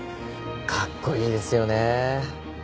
かっこいいですよね。